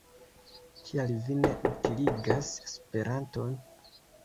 Kial vi ne utiligas Esperanton?